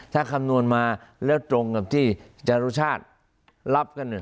ถ้าคำนวณมาแล้วตรงกับที่จารุชาติรับกัน